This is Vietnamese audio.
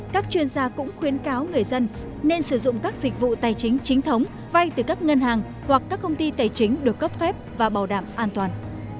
các chuyên gia cũng khuyến cáo người dân nên sử dụng các dịch vụ tài chính chính thống vay từ các ngân hàng hoặc các công ty tài chính được cấp phép và bảo đảm an toàn